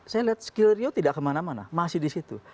saya lihat skill rio tidak kemana mana masih di situ